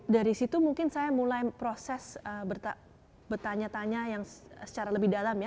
dari situ mungkin saya mulai proses bertanya tanya yang secara lebih dalam ya